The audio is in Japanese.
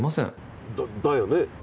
だだよね？